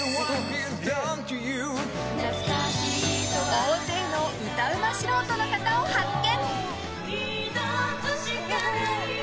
大勢の歌うま素人の方を発見。